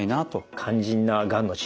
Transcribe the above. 肝心ながんの治療